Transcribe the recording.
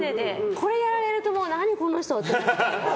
これやられると、何この人！って。